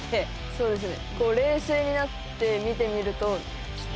そうですね。